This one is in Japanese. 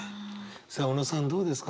さあ小野さんどうですか？